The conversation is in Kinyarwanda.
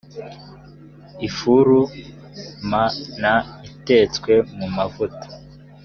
ifuru m n itetswe mu mavuta